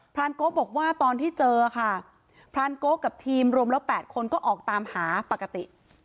รานโกะบอกว่าตอนที่เจอค่ะพรานโก๊กับทีมรวมแล้ว๘คนก็ออกตามหาปกติ